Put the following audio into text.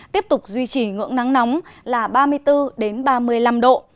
tiếp tục duy trì ngưỡng nắng nóng là ba mươi bốn ba mươi năm độ